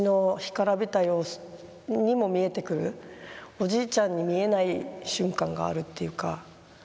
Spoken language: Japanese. おじいちゃんに見えない瞬間があるっていうか。